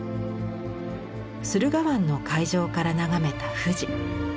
駿河湾の海上から眺めた富士。